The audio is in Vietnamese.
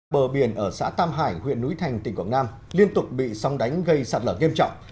bờ biển ở xã tam hải huyện núi thành tỉnh quảng nam liên tục bị sóng đánh gây sạt lở nghiêm trọng